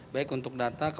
baik untuk data